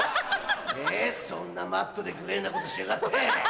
そんなマットでグレーなことしやがって！